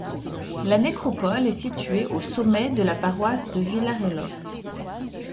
La nécropole est située au sommet de la paroisse de Vilarelhos.